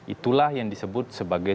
itulah yang disebut sebagai